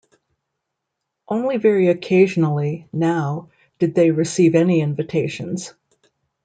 Only very occasionally, now, did they receive any invitations.